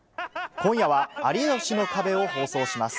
今夜は有吉の壁を放送します。